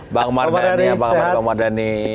bang mardhani ya bang mardhani